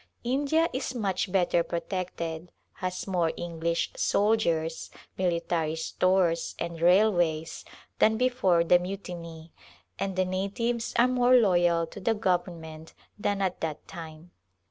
India is much better protected — has more English soldiers, military stores, and railways, than be fore the mutiny, and the natives are more loyal to the government than at that time.